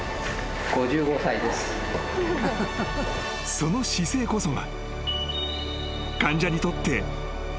［その姿勢こそが］